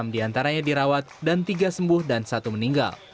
enam diantaranya dirawat dan tiga sembuh dan satu meninggal